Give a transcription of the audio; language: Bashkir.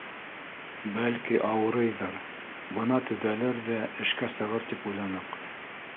Бәлки, ауырыйҙыр, бына төҙәлер ҙә, эшкә сығыр тип уйланыҡ.